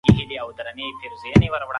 د درملنې نشتوالی وژونکي پایلې لري.